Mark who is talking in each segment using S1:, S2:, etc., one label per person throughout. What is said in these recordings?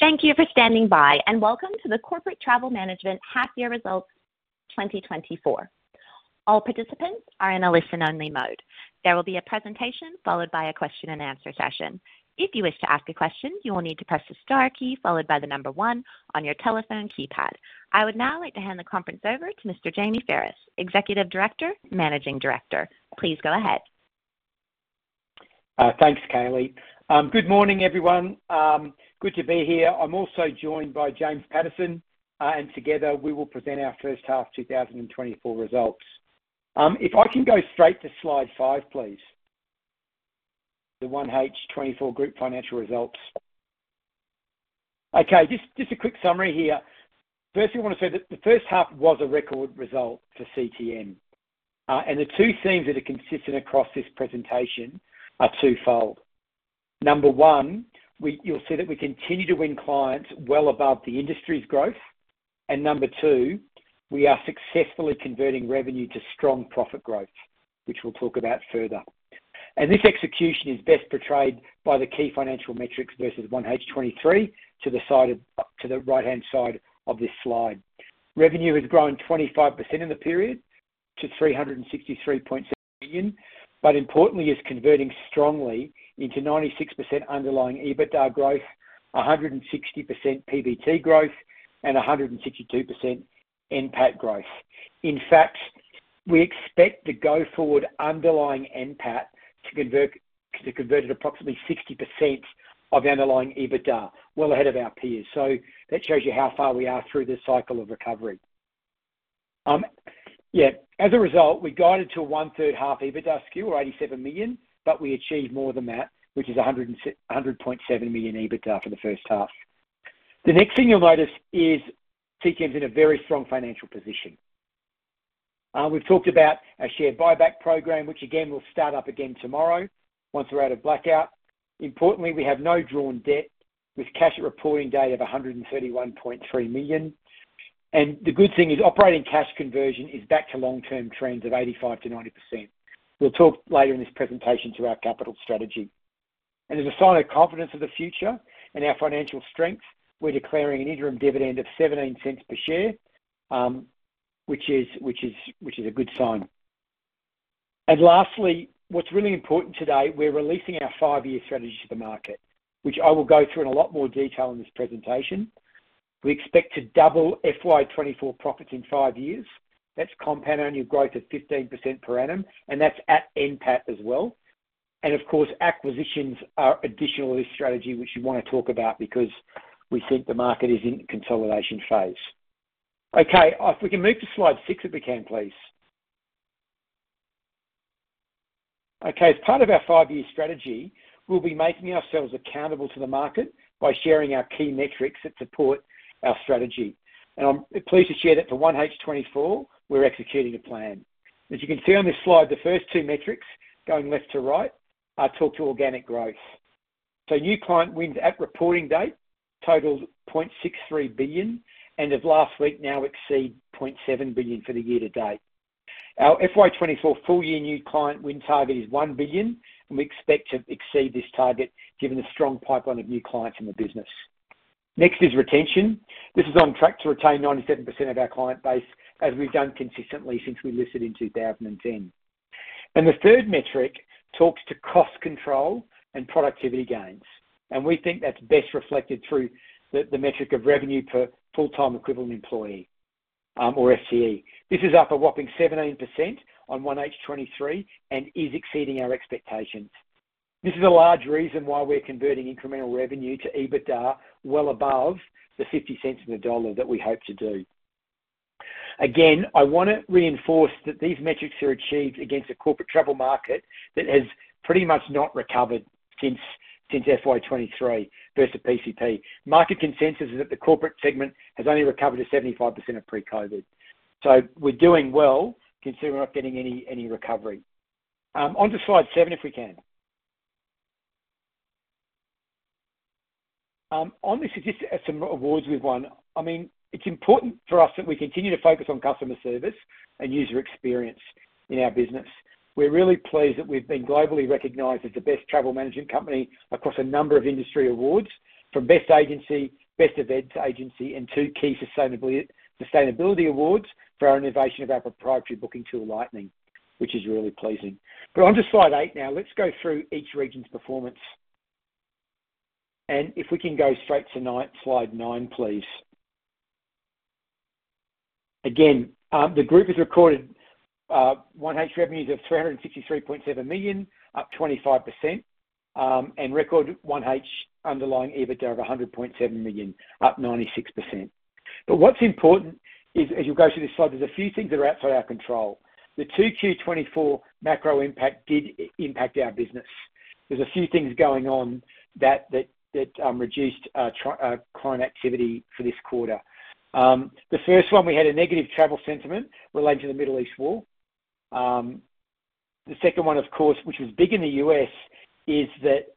S1: Thank you for standing by, and welcome to the Corporate Travel Management Half-Year Results 2024. All participants are in a listen-only mode. There will be a presentation followed by a question-and-answer session. If you wish to ask a question, you will need to press the star key followed by the number 1 on your telephone keypad. I would now like to hand the conference over to Mr. Jamie Pherous, Executive Director, Managing Director. Please go ahead.
S2: Thanks, Kayleigh. Good morning, everyone. Good to be here. I'm also joined by James Patterson, and together we will present our first half 2024 results. If I can go straight to slide 5, please, the 1H24 Group Financial Results. Okay, just a quick summary here. Firstly, I want to say that the first half was a record result for CTM, and the two themes that are consistent across this presentation are twofold. Number one, you'll see that we continue to win clients well above the industry's growth, and number two, we are successfully converting revenue to strong profit growth, which we'll talk about further. This execution is best portrayed by the key financial metrics versus 1H 2023 to the right-hand side of this slide. Revenue has grown 25% in the period to 363.7 million, but importantly, is converting strongly into 96% underlying EBITDA growth, 160% PBT growth, and 162% NPAT growth. In fact, we expect the go-forward underlying NPAT to convert at approximately 60% of underlying EBITDA, well ahead of our peers. So that shows you how far we are through the cycle of recovery. Yeah, as a result, we guided to a one-third half EBITDA skew, or 87 million, but we achieved more than that, which is 100.7 million EBITDA for the first half. The next thing you'll notice is CTM's in a very strong financial position. We've talked about a share buyback program, which again will start up again tomorrow once we're out of blackout. Importantly, we have no drawn debt, with cash at reporting date of 131.3 million. The good thing is operating cash conversion is back to long-term trends of 85%-90%. We'll talk later in this presentation to our capital strategy. As a sign of confidence of the future and our financial strength, we're declaring an interim dividend of 0.17 per share, which is a good sign. Lastly, what's really important today, we're releasing our five year strategy to the market, which I will go through in a lot more detail in this presentation. We expect to double FY 2024 profits in five years. That's compound annual growth of 15% per annum, and that's at NPAT as well. Of course, acquisitions are additional to this strategy, which you want to talk about because we think the market is in the consolidation phase. Okay, if we can move to Slide 6 if we can, please. Okay, as part of our five-year strategy, we'll be making ourselves accountable to the market by sharing our key metrics that support our strategy. I'm pleased to share that for 1H 2024, we're executing a plan. As you can see on this slide, the first two metrics going left to right are total organic growth. New client wins at reporting date totaled 0.63 billion, and as of last week, now exceed 0.7 billion for the year-to-date. Our FY 2024 full-year new client win target is 1 billion, and we expect to exceed this target given the strong pipeline of new clients in the business. Next is retention. This is on track to retain 97% of our client base, as we've done consistently since we listed in 2010. The third metric talks to cost control and productivity gains, and we think that's best reflected through the metric of revenue per full-time equivalent employee, or FTE. This is up a whopping 17% on 1H 2023 and is exceeding our expectations. This is a large reason why we're converting incremental revenue to EBITDA well above the 0.5 per dollar that we hope to do. Again, I want to reinforce that these metrics are achieved against a corporate travel market that has pretty much not recovered since FY 2023 versus PCP. Market consensus is that the corporate segment has only recovered to 75% of pre-COVID. So we're doing well considering we're not getting any recovery. Onto Slide 7 if we can. On this, just some awards we've won. I mean, it's important for us that we continue to focus on customer service and user experience in our business. We're really pleased that we've been globally recognized as the best travel management company across a number of industry awards, from Best Agency, Best Events Agency, and two key sustainability awards for our innovation of our proprietary booking tool Lightning, which is really pleasing. But onto Slide 8 now. Let's go through each region's performance. And if we can go straight to Slide 9, please. Again, the group has recorded 1H revenues of 363.7 million, up 25%, and record 1H underlying EBITDA of 100.7 million, up 96%. But what's important is, as you'll go through this slide, there's a few things that are outside our control. The 2Q 2024 macro impact did impact our business. There's a few things going on that reduced client activity for this quarter. The first one, we had a negative travel sentiment relating to the Middle East war. The second one, of course, which was big in the U.S., is that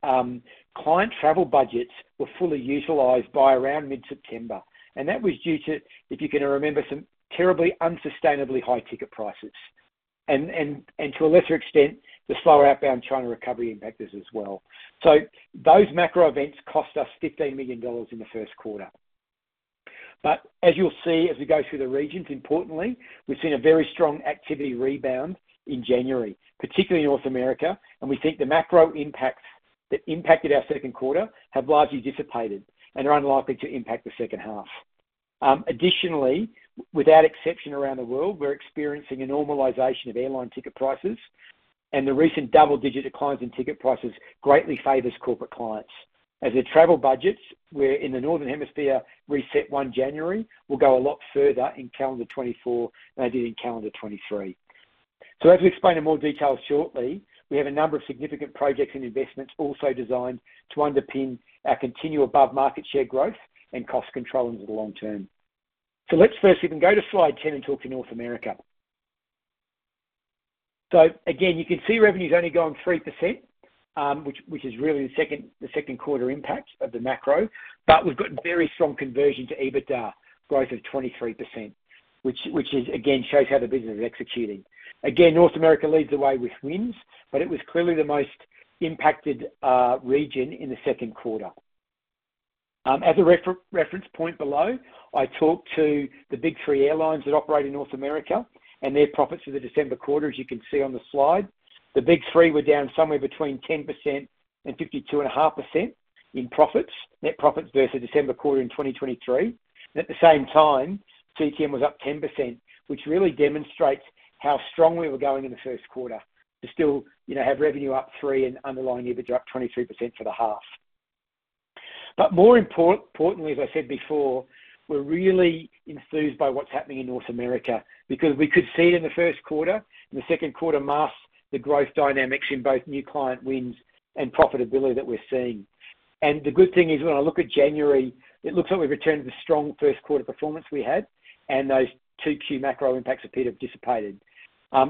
S2: client travel budgets were fully utilized by around mid-September, and that was due to, if you can remember, some terribly unsustainably high ticket prices, and to a lesser extent, the slower outbound China recovery impact as well. So those macro events cost us $15 million in the first quarter. But as you'll see as we go through the regions, importantly, we've seen a very strong activity rebound in January, particularly in North America, and we think the macro impacts that impacted our second quarter have largely dissipated and are unlikely to impact the second half. Additionally, without exception around the world, we're experiencing a normalization of airline ticket prices, and the recent double-digit declines in ticket prices greatly favors corporate clients. As their travel budgets, where in the northern hemisphere reset 1 January, will go a lot further in calendar 2024 than they did in calendar 2023. So as we explain in more detail shortly, we have a number of significant projects and investments also designed to underpin our continual above-market share growth and cost control into the long term. So let's first even go to Slide 10 and talk to North America. So again, you can see revenues only going 3%, which is really the second quarter impact of the macro, but we've got very strong conversion to EBITDA, growth of 23%, which again shows how the business is executing. Again, North America leads the way with wins, but it was clearly the most impacted region in the second quarter. As a reference point below, I talked to the big three airlines that operate in North America and their profits for the December quarter, as you can see on the slide. The big three were down somewhere between 10%-52.5% in net profits versus December quarter in 2023. At the same time, CTM was up 10%, which really demonstrates how strong we were going in the first quarter to still have revenue up 3% and underlying EBITDA up 23% for the half. More importantly, as I said before, we're really enthused by what's happening in North America because we could see it in the first quarter. The second quarter masks the growth dynamics in both new client wins and profitability that we're seeing. The good thing is, when I look at January, it looks like we've returned to the strong first quarter performance we had, and those 2Q macro impacts appear to have dissipated.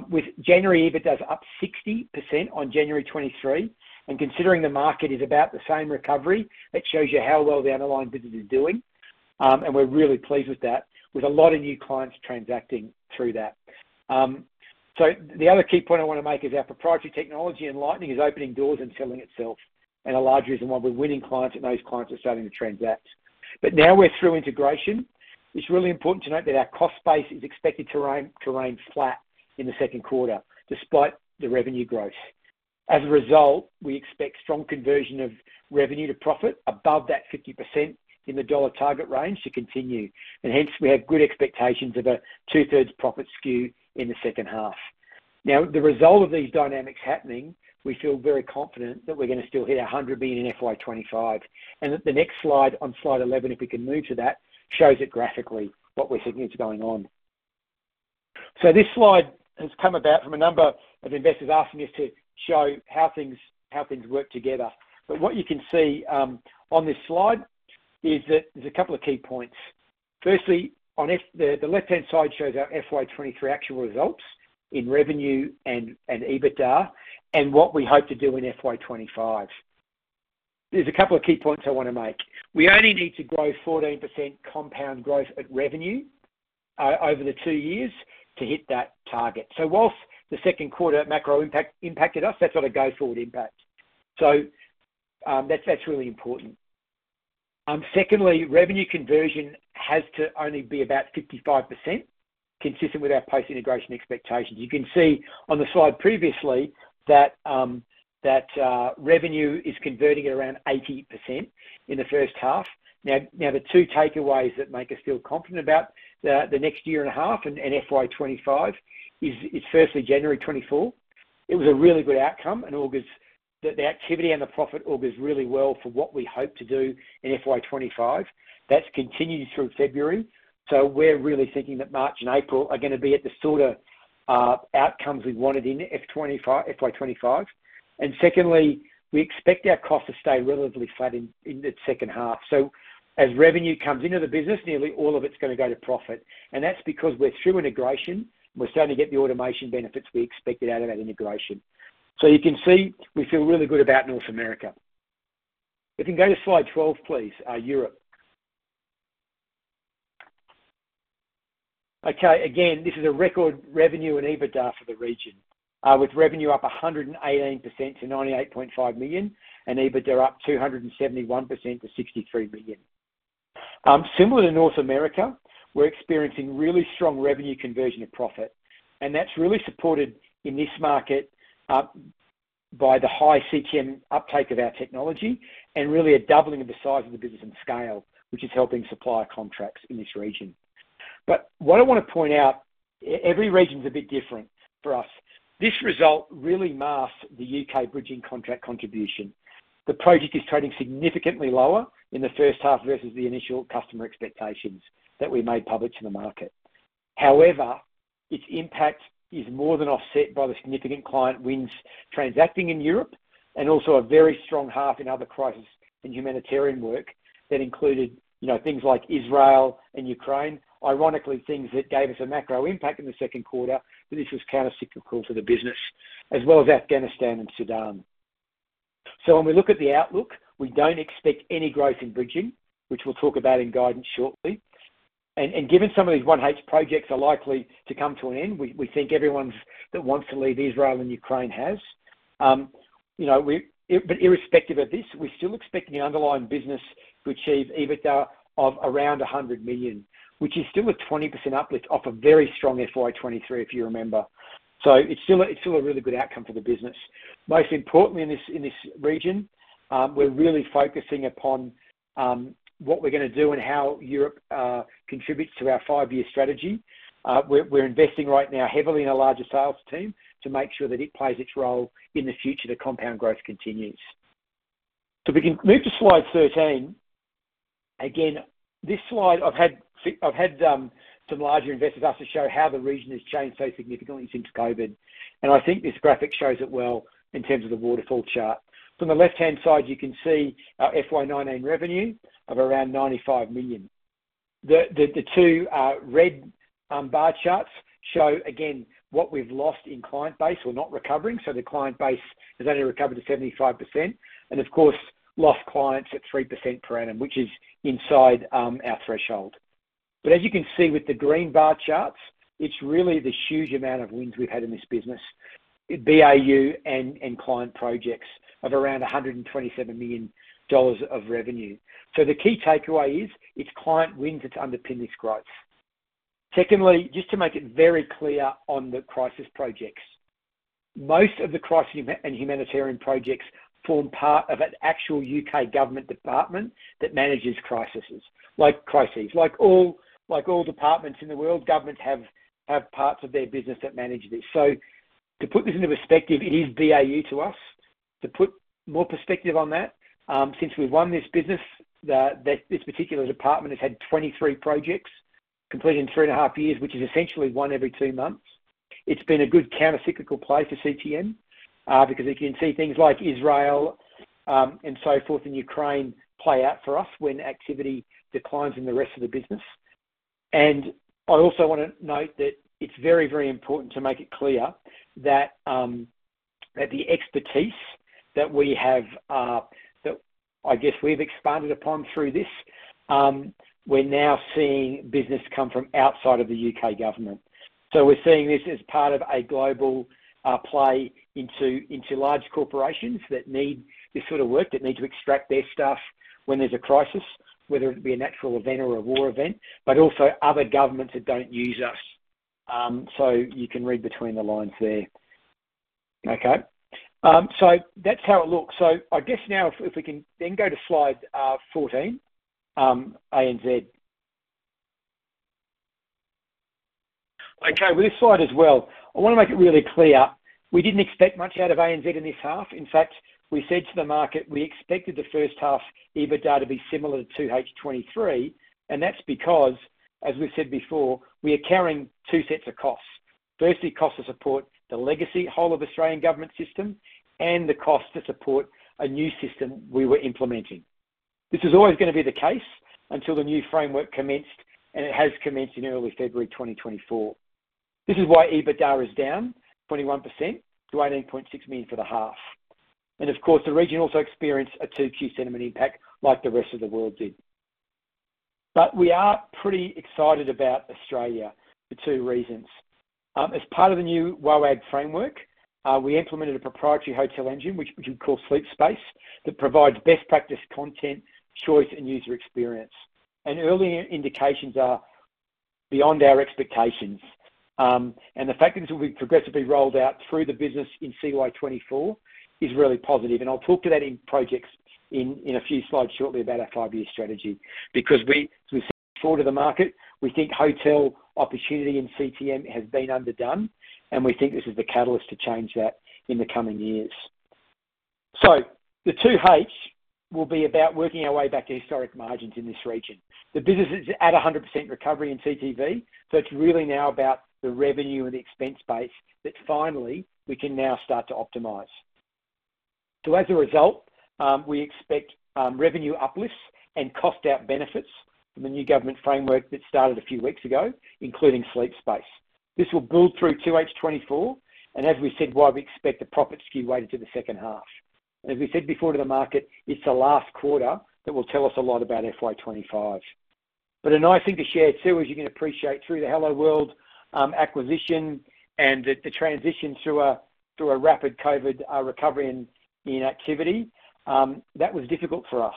S2: With January EBITDAs up 60% on January 2023, and considering the market is about the same recovery, that shows you how well the underlying business is doing, and we're really pleased with that, with a lot of new clients transacting through that. So the other key point I want to make is our proprietary technology in Lightning is opening doors and selling itself, and a large reason why we're winning clients and those clients are starting to transact. But now we're through integration. It's really important to note that our cost base is expected to remain flat in the second quarter despite the revenue growth. As a result, we expect strong conversion of revenue to profit above that 50% in the dollar target range to continue, and hence we have good expectations of a two-thirds profit skew in the second half. Now, the result of these dynamics happening, we feel very confident that we're going to still hit 100 million in FY 2025, and the next slide on Slide 11, if we can move to that, shows it graphically what we think is going on. So this slide has come about from a number of investors asking us to show how things work together. But what you can see on this slide is that there's a couple of key points. First, the left-hand side shows our FY 2023 actual results in revenue and EBITDA and what we hope to do in FY 2025. There's a couple of key points I want to make. We only need to grow 14% compound growth at revenue over the two years to hit that target. So while the second quarter macro impacted us, that's not a go-forward impact. So that's really important. Secondly, revenue conversion has to only be about 55% consistent with our post-integration expectations. You can see on the slide previously that revenue is converting at around 80% in the first half. Now, the two takeaways that make us feel confident about the next year and a half and FY 2025 is, firstly, January 2024. It was a really good outcome, and the activity and the profit augurs really well for what we hope to do in FY 2025. That's continued through February. So we're really thinking that March and April are going to be at the sort of outcomes we wanted in FY 2025. Secondly, we expect our costs to stay relatively flat in the second half. So as revenue comes into the business, nearly all of it's going to go to profit, and that's because we're through integration, and we're starting to get the automation benefits we expected out of that integration. So you can see we feel really good about North America. If we can go to Slide 12, please, Europe. Okay, again, this is a record revenue and EBITDA for the region, with revenue up 118% to 98.5 million and EBITDA up 271% to 63 million. Similar to North America, we're experiencing really strong revenue conversion of profit, and that's really supported in this market by the high CTM uptake of our technology and really a doubling of the size of the business in scale, which is helping supply contracts in this region. But what I want to point out, every region's a bit different for us. This result really masks the U.K. bridging contract contribution. The project is trading significantly lower in the first half versus the initial customer expectations that we made public to the market. However, its impact is more than offset by the significant client wins transacting in Europe and also a very strong half in other crisis and humanitarian work that included things like Israel and Ukraine, ironically, things that gave us a macro impact in the second quarter, but this was countercyclical to the business, as well as Afghanistan and Sudan. So when we look at the outlook, we don't expect any growth in bridging, which we'll talk about in guidance shortly. And given some of these 1H projects are likely to come to an end, we think everyone that wants to leave Israel and Ukraine has. But irrespective of this, we're still expecting the underlying business to achieve EBITDA of around 100 million, which is still a 20% uplift off a very strong FY 2023, if you remember. So it's still a really good outcome for the business. Most importantly, in this region, we're really focusing upon what we're going to do and how Europe contributes to our five-year strategy. We're investing right now heavily in a larger sales team to make sure that it plays its role in the future, the compound growth continues. So if we can move to Slide 13. Again, this slide, I've had some larger investors ask to show how the region has changed so significantly since COVID, and I think this graphic shows it well in terms of the waterfall chart. On the left-hand side, you can see our FY 2019 revenue of around 95 million. The two red bar charts show, again, what we've lost in client base. We're not recovering, so the client base has only recovered to 75% and, of course, lost clients at 3% per annum, which is inside our threshold. But as you can see with the green bar charts, it's really the huge amount of wins we've had in this business, BAU and client projects of around 127 million dollars of revenue. So the key takeaway is it's client wins that underpin this growth. Secondly, just to make it very clear on the crisis projects, most of the crisis and humanitarian projects form part of an actual U.K. government department that manages crises. Like all departments in the world, governments have parts of their business that manage this. So to put this into perspective, it is BAU to us to put more perspective on that. Since we've won this business, this particular department has had 23 projects completed in three and a half years, which is essentially one every two months. It's been a good countercyclical play for CTM because you can see things like Israel and so forth in Ukraine play out for us when activity declines in the rest of the business. I also want to note that it's very, very important to make it clear that the expertise that we have that I guess we've expanded upon through this, we're now seeing business come from outside of the U.K. government. We're seeing this as part of a global play into large corporations that need this sort of work, that need to extract their stuff when there's a crisis, whether it be a natural event or a war event, but also other governments that don't use us. So you can read between the lines there. Okay? So that's how it looks. So I guess now, if we can then go to Slide 14, ANZ. Okay, with this slide as well, I want to make it really clear. We didn't expect much out of ANZ in this half. In fact, we said to the market we expected the first half EBITDA to be similar to 2H 2023, and that's because, as we've said before, we are carrying two sets of costs. Firstly, cost to support the legacy Whole of Australian Government system and the cost to support a new system we were implementing. This is always going to be the case until the new framework commenced, and it has commenced in early February 2024. This is why EBITDA is down 21% to 18.6 million for the half. Of course, the region also experienced a 2Q sentiment impact like the rest of the world did. But we are pretty excited about Australia for two reasons. As part of the new WOAG framework, we implemented a proprietary hotel engine, which we call Sleep Space, that provides best-practice content, choice, and user experience. Early indications are beyond our expectations, and the fact that this will be progressively rolled out through the business in CY 2024 is really positive. I'll talk to that in projects in a few slides shortly about our five year strategy because, as we said before to the market, we think hotel opportunity in CTM has been underdone, and we think this is the catalyst to change that in the coming years. So the 2H will be about working our way back to historic margins in this region. The business is at 100% recovery in TTV, so it's really now about the revenue and the expense base that finally we can now start to optimize. So as a result, we expect revenue uplifts and cost-out benefits from the new government framework that started a few weeks ago, including Sleep Space. This will build through 2H 2024, and as we said, why we expect the profit skew weighted to the second half. And as we said before to the market, it's the last quarter that will tell us a lot about FY 2025. But a nice thing to share too, as you can appreciate through the Helloworld acquisition and the transition through a rapid COVID recovery in activity, that was difficult for us.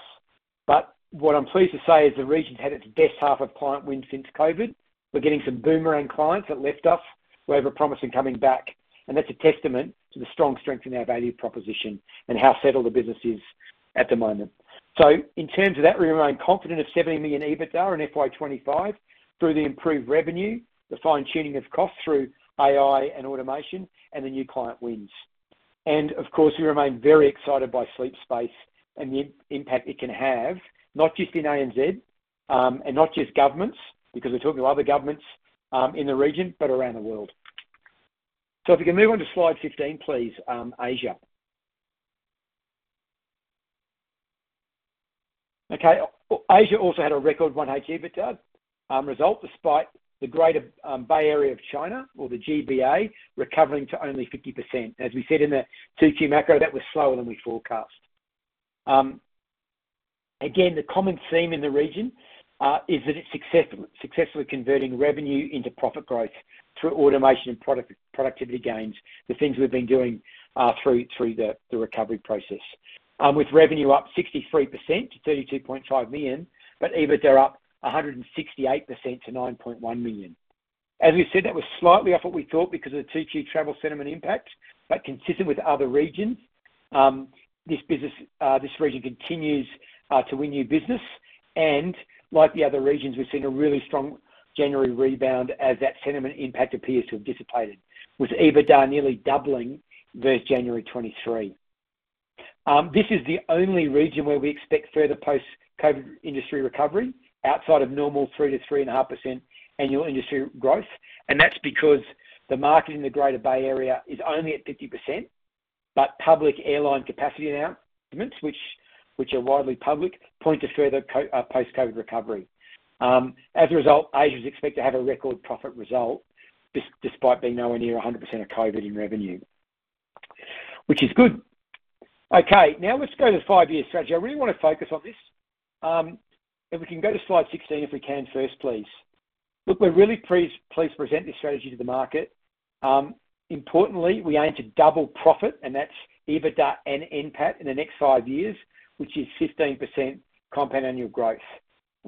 S2: But what I'm pleased to say is the region's had its best half of client wins since COVID. We're getting some boomerang clients that left us, who have a promise in coming back, and that's a testament to the strong strength in our value proposition and how settled the business is at the moment. So in terms of that, we remain confident of 70 million EBITDA in FY 2025 through the improved revenue, the fine-tuning of costs through AI and automation, and the new client wins. And of course, we remain very excited by Sleep Space and the impact it can have, not just in ANZ and not just governments because we're talking to other governments in the region but around the world. So if we can move on to Slide 15, please, Asia. Okay, Asia also had a record 1H EBITDA result despite the Greater Bay Area of China or the GBA recovering to only 50%. As we said in the 2Q macro, that was slower than we forecast. Again, the common theme in the region is that it's successfully converting revenue into profit growth through automation and productivity gains, the things we've been doing through the recovery process. With revenue up 63% to 32.5 million, but EBITDA up 168% to 9.1 million. As we said, that was slightly off what we thought because of the 2Q travel sentiment impact, but consistent with other regions, this region continues to win new business. And like the other regions, we've seen a really strong January rebound as that sentiment impact appears to have dissipated, with EBITDA nearly doubling versus January 2023. This is the only region where we expect further post-COVID industry recovery outside of normal 3%-3.5% annual industry growth, and that's because the market in the Greater Bay Area is only at 50%, but public airline capacity announcements, which are widely public, point to further post-COVID recovery. As a result, Asia's expected to have a record profit result despite being nowhere near 100% of COVID in revenue, which is good. Okay, now let's go to the five-year strategy. I really want to focus on this. If we can go to slide 16, if we can first, please. Look, we're really pleased to present this strategy to the market. Importantly, we aim to double profit, and that's EBITDA and NPAT in the next five years, which is 15% compound annual growth.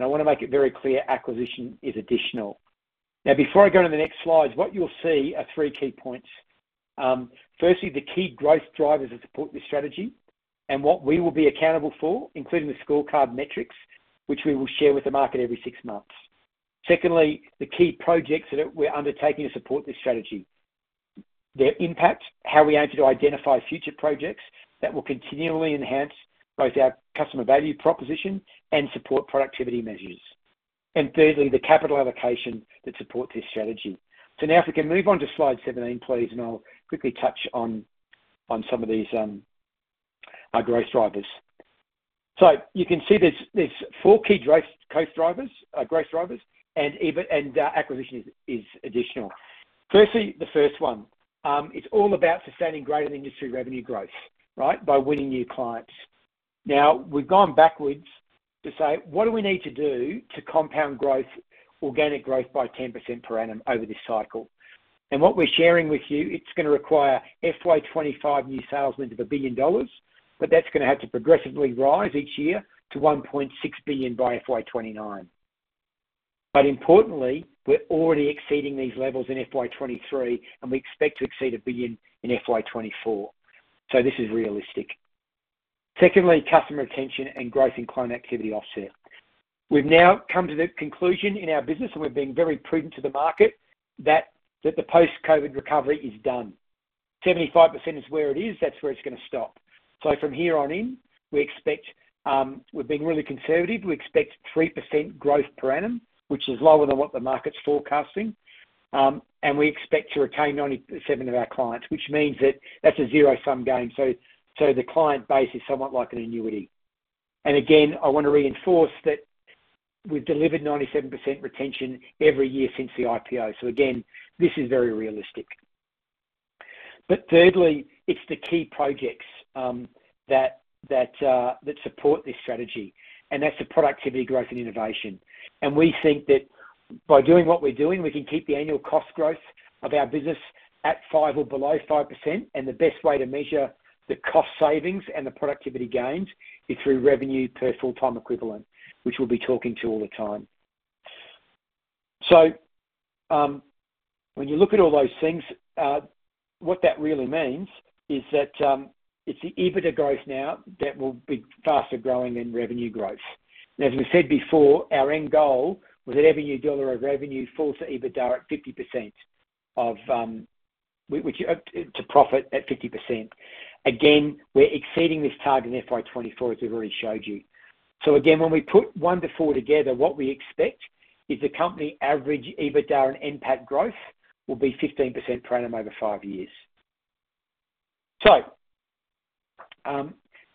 S2: I want to make it very clear acquisition is additional. Now, before I go to the next slides, what you'll see are three key points. Firstly, the key growth drivers that support this strategy and what we will be accountable for, including the scorecard metrics, which we will share with the market every six months. Secondly, the key projects that we're undertaking to support this strategy, their impact, how we aim to identify future projects that will continually enhance both our customer value proposition and support productivity measures. And thirdly, the capital allocation that supports this strategy. So now, if we can move on to Slide 17, please, and I'll quickly touch on some of these growth drivers. So you can see there's four key growth drivers, and acquisition is additional. Firstly, the first one, it's all about sustaining greater industry revenue growth, right, by winning new clients. Now, we've gone backwards to say, "What do we need to do to compound organic growth by 10% per annum over this cycle?" And what we're sharing with you, it's going to require FY 2025 new sales wins of 1 billion dollars, but that's going to have to progressively rise each year to 1.6 billion by FY 2029. But importantly, we're already exceeding these levels in FY 2023, and we expect to exceed 1 billion in FY 2024. So this is realistic. Secondly, customer retention and growth in client activity offset. We've now come to the conclusion in our business, and we've been very prudent to the market, that the post-COVID recovery is done. 75% is where it is. That's where it's going to stop. So from here on in, we're being really conservative. We expect 3% growth per annum, which is lower than what the market's forecasting, and we expect to retain 97% of our clients, which means that that's a zero-sum game. The client base is somewhat like an annuity. Again, I want to reinforce that we've delivered 97% retention every year since the IPO. Again, this is very realistic. Thirdly, it's the key projects that support this strategy, and that's the productivity growth and innovation. We think that by doing what we're doing, we can keep the annual cost growth of our business at 5% or below 5%. The best way to measure the cost savings and the productivity gains is through revenue per full-time equivalent, which we'll be talking to all the time. When you look at all those things, what that really means is that it's the EBITDA growth now that will be faster growing than revenue growth. As we said before, our end goal was that every new dollar of revenue falls to EBITDA at 50%, which is to profit at 50%. Again, we're exceeding this target in FY 2024, as we've already showed you. Again, when we put one to four together, what we expect is the company average EBITDA and NPAT growth will be 15% per annum over five years.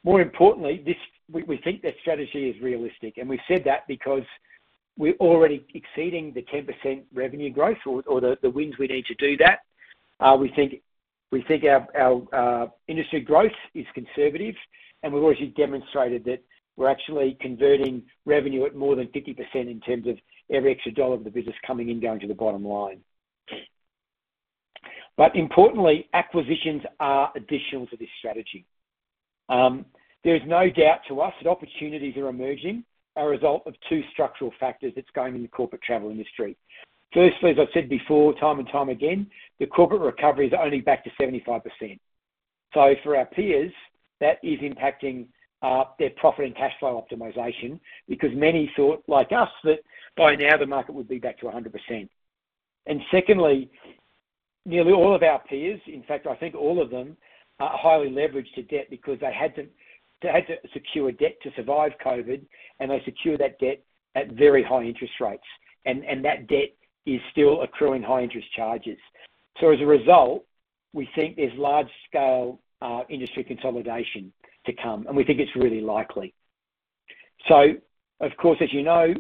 S2: More importantly, we think this strategy is realistic, and we've said that because we're already exceeding the 10% revenue growth or the wins we need to do that. We think our industry growth is conservative, and we've already demonstrated that we're actually converting revenue at more than 50% in terms of every extra dollar of the business coming in going to the bottom line. But importantly, acquisitions are additional to this strategy. There is no doubt to us that opportunities are emerging as a result of two structural factors that's going on in the corporate travel industry. Firstly, as I've said before time and time again, the corporate recovery is only back to 75%. So for our peers, that is impacting their profit and cash flow optimisation because many thought, like us, that by now the market would be back to 100%. And secondly, nearly all of our peers in fact, I think all of them, are highly leveraged to debt because they had to secure debt to survive COVID, and they secured that debt at very high interest rates. That debt is still accruing high-interest charges. So as a result, we think there's large-scale industry consolidation to come, and we think it's really likely. So of course, as you know,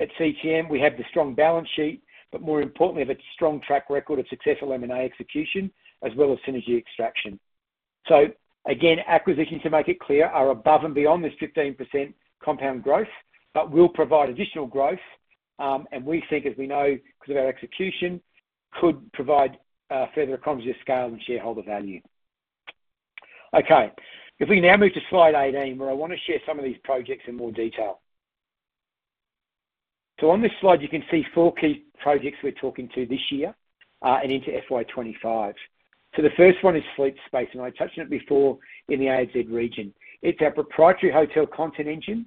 S2: at CTM, we have the strong balance sheet, but more importantly, we have a strong track record of successful M&A execution as well as synergy extraction. So again, acquisitions, to make it clear, are above and beyond this 15% compound growth but will provide additional growth. And we think, as we know because of our execution, could provide further economies of scale and shareholder value. Okay, if we now move to slide 18, where I want to share some of these projects in more detail. So on this slide, you can see four key projects we're talking to this year and into FY 2025. So the first one is Sleep Space, and I touched on it before in the ANZ region. It's our proprietary hotel content engine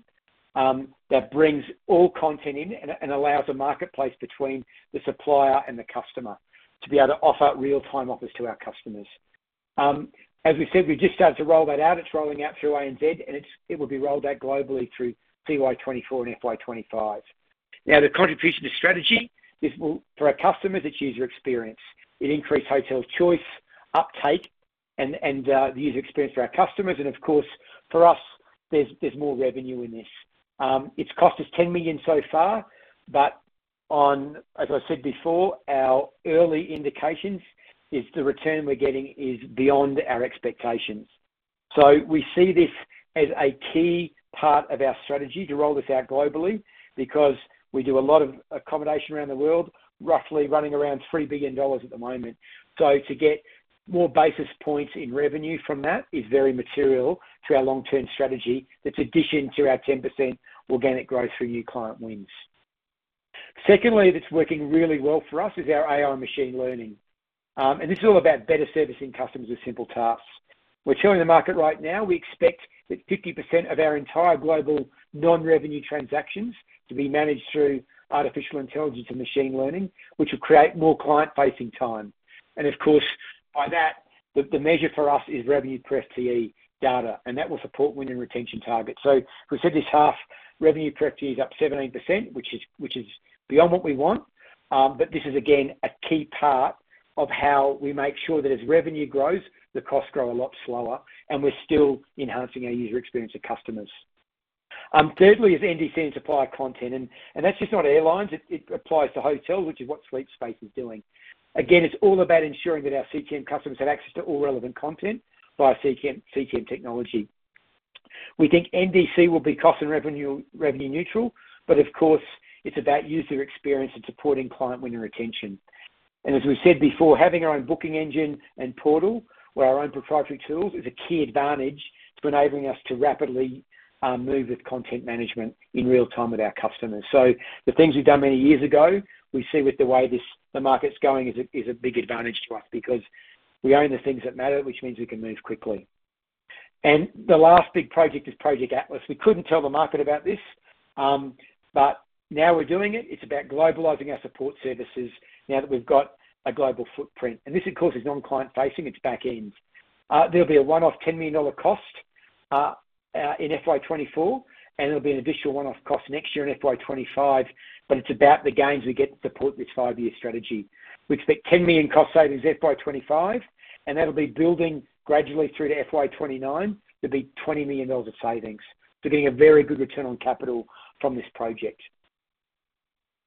S2: that brings all content in and allows a marketplace between the supplier and the customer to be able to offer real-time offers to our customers. As we said, we've just started to roll that out. It's rolling out through ANZ, and it will be rolled out globally through FY 2024 and FY 2025. Now, the contribution to strategy, for our customers, it's user experience. It increased hotel choice, uptake, and the user experience for our customers. And of course, for us, there's more revenue in this. Its cost is 10 million so far, but as I said before, our early indications is the return we're getting is beyond our expectations. So we see this as a key part of our strategy to roll this out globally because we do a lot of accommodation around the world, roughly running around 3 billion dollars at the moment. So to get more basis points in revenue from that is very material to our long-term strategy that's addition to our 10% organic growth through new client wins. Secondly, that's working really well for us is our AI machine learning. And this is all about better servicing customers with simple tasks. We're telling the market right now, we expect that 50% of our entire global non-revenue transactions to be managed through artificial intelligence and machine learning, which will create more client-facing time. And of course, by that, the measure for us is revenue per FTE data, and that will support winning retention targets. So we said this half revenue per FTE is up 17%, which is beyond what we want, but this is, again, a key part of how we make sure that as revenue grows, the costs grow a lot slower, and we're still enhancing our user experience of customers. Thirdly, is NDC and supplier content. And that's just not airlines. It applies to hotels, which is what Sleep Space is doing. Again, it's all about ensuring that our CTM customers have access to all relevant content via CTM technology. We think NDC will be cost and revenue neutral, but of course, it's about user experience and supporting client-winning retention. And as we said before, having our own booking engine and portal where our own proprietary tools is a key advantage to enabling us to rapidly move with content management in real time with our customers. So the things we've done many years ago, we see with the way the market's going is a big advantage to us because we own the things that matter, which means we can move quickly. And the last big project is Project Atlas. We couldn't tell the market about this, but now we're doing it. It's about globalizing our support services now that we've got a global footprint. And this, of course, is non-client-facing. It's backend. There'll be a one-off 10 million dollar cost in FY 2024, and there'll be an additional one-off cost next year in FY 2025, but it's about the gains we get to support this five-year strategy. We expect 10 million cost savings FY 2025, and that'll be building gradually through to FY 2029. There'll be 20 million dollars of savings. So we're getting a very good return on capital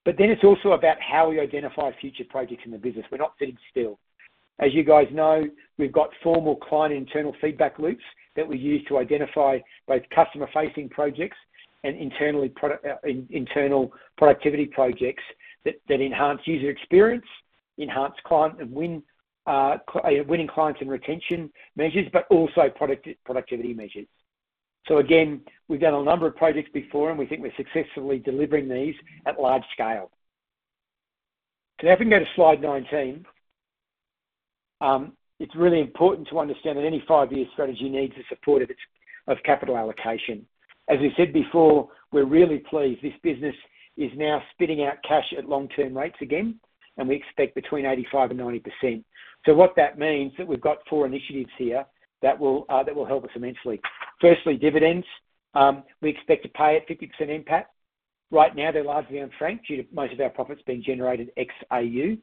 S2: from this project. But then it's also about how we identify future projects in the business. We're not sitting still. As you guys know, we've got formal client internal feedback loops that we use to identify both customer-facing projects and internal productivity projects that enhance user experience, enhance winning clients and retention measures, but also productivity measures. So again, we've done a number of projects before, and we think we're successfully delivering these at large scale. So now, if we can go to Slide 19, it's really important to understand that any five year strategy needs the support of capital allocation. As we said before, we're really pleased. This business is now spitting out cash at long-term rates again, and we expect between 85% and 90%. So what that means is that we've got four initiatives here that will help us immensely. Firstly, dividends. We expect to pay at 50% NPAT. Right now, they're largely unfranked due to most of our profits being generated ex AU.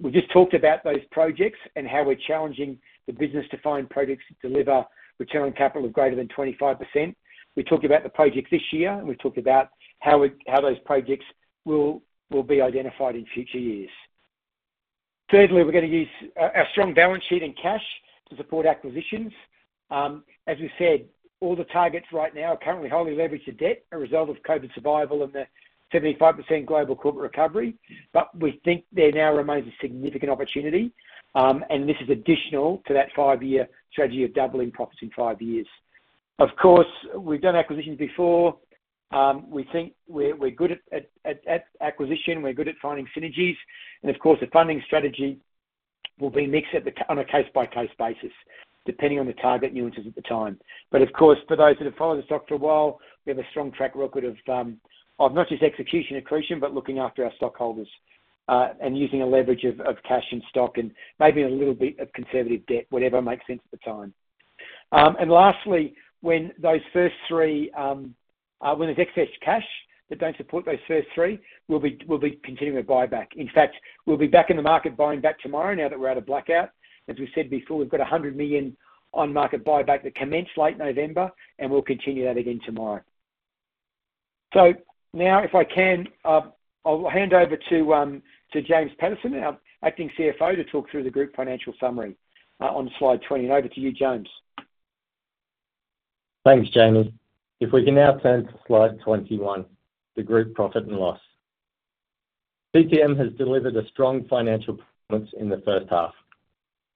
S2: We just talked about those projects and how we're challenging the business to find projects that deliver return on capital of greater than 25%. We talked about the projects this year, and we talked about how those projects will be identified in future years. Thirdly, we're going to use our strong balance sheet and cash to support acquisitions. As we said, all the targets right now are currently highly leveraged to debt as a result of COVID survival and the 75% global corporate recovery, but we think there now remains a significant opportunity, and this is additional to that five-year strategy of doubling profits in five years. Of course, we've done acquisitions before. We think we're good at acquisition. We're good at finding synergies. Of course, the funding strategy will be mixed on a case-by-case basis depending on the target nuances at the time. But of course, for those that have followed the stock for a while, we have a strong track record of not just execution accretion but looking after our stockholders and using a leverage of cash and stock and maybe a little bit of conservative debt, whatever makes sense at the time. And lastly, when those first three when there's excess cash that don't support those first three, we'll be continuing with buyback. In fact, we'll be back in the market buying back tomorrow now that we're out of blackout. As we said before, we've got 100 million on-market buyback that commenced late November, and we'll continue that again tomorrow. So now, if I can, I'll hand over to James Patterson, our Acting CFO, to talk through the group financial summary on Slide 20. Over to you, James.
S3: Thanks, Jamie. If we can now turn to Slide 21, the group profit and loss. CTM has delivered a strong financial performance in the first half.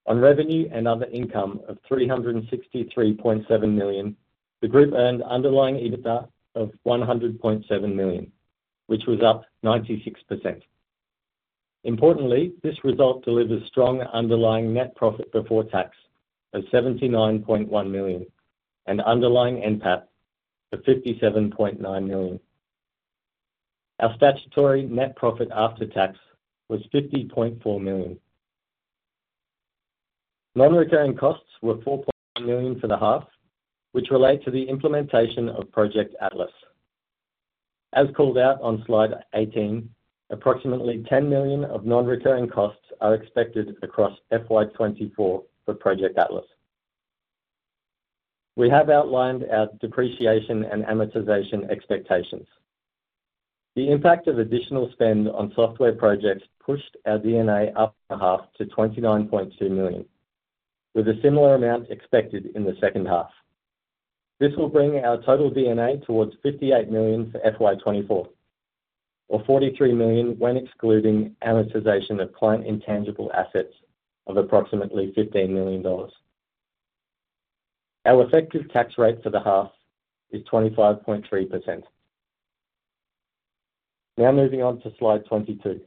S3: On revenue and other income of 363.7 million, the group earned underlying EBITDA of 100.7 million, which was up 96%. Importantly, this result delivers strong underlying net profit before tax of 79.1 million and underlying NPAT of 57.9 million. Our statutory net profit after tax was 50.4 million. Non-recurring costs were 4.9 million for the half, which relate to the implementation of Project Atlas. As called out on Slide 18, approximately 10 million of non-recurring costs are expected across FY 2024 for Project Atlas. We have outlined our depreciation and amortization expectations. The impact of additional spend on software projects pushed our D&A up a half to 29.2 million with a similar amount expected in the second half. This will bring our total D&A toward 58 million for FY 2024 or 43 million when excluding amortization of client intangible assets of approximately 15 million dollars. Our effective tax rate for the half is 25.3%. Now, moving on to Slide 22,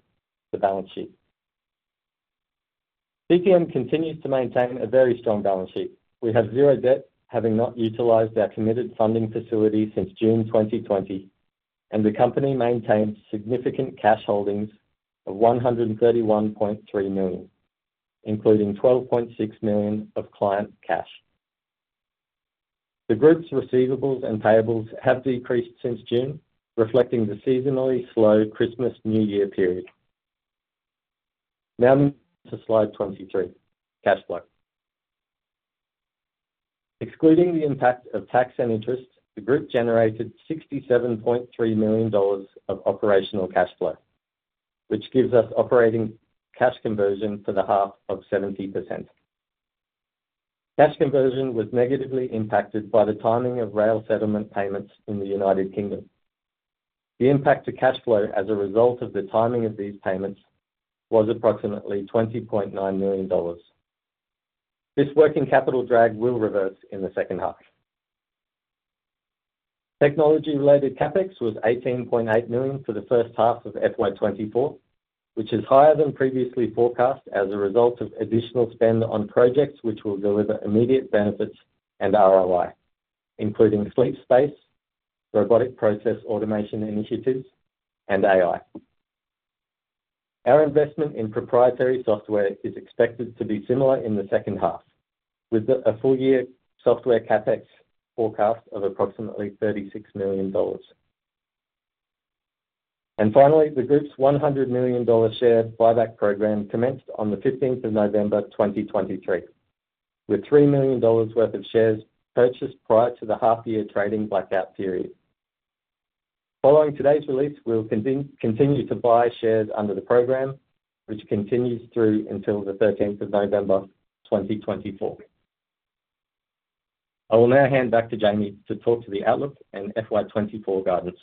S3: the balance sheet. CTM continues to maintain a very strong balance sheet. We have zero debt, having not utilized our committed funding facility since June 2020, and the company maintains significant cash holdings of 131.3 million, including 12.6 million of client cash. The group's receivables and payables have decreased since June, reflecting the seasonally slow Christmas/New Year period. Now, moving on to slide 23, cash flow. Excluding the impact of tax and interest, the group generated 67.3 million dollars of operational cash flow, which gives us operating cash conversion for the half of 70%. Cash conversion was negatively impacted by the timing of rail settlement payments in the United Kingdom. The impact to cash flow as a result of the timing of these payments was approximately 20.9 million dollars. This working capital drag will reverse in the second half. Technology-related CapEx was 18.8 million for the first half of FY 2024, which is higher than previously forecast as a result of additional spend on projects which will deliver immediate benefits and ROI, including Sleep Space, robotic process automation initiatives, and AI. Our investment in proprietary software is expected to be similar in the second half with a full-year software CapEx forecast of approximately 36 million dollars. And finally, the group's 100 million dollar share buyback program commenced on the 15th of November, 2023, with 3 million dollars worth of shares purchased prior to the half-year trading blackout period. Following today's release, we'll continue to buy shares under the program, which continues through until the 13th of November, 2024. I will now hand back to Jamie to talk to the outlook and FY 2024 guidance.